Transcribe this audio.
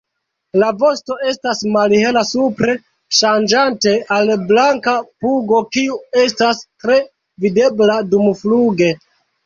La vosto estas malhela supre ŝanĝante al blanka pugo kiu estas tre videbla dumfluge.